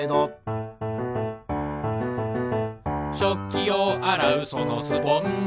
「しょっきをあらうそのスポンジ」